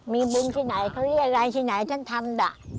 มีบุญที่ไหนเขาเรียกอะไรที่ไหนฉันทำดะ